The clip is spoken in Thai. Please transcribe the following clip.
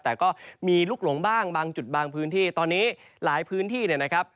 แต่ก็มีลุกหลงบ้างบางจุดบางพื้นที่ตอนนี้หลายพื้นที่เนี่ยนะครับ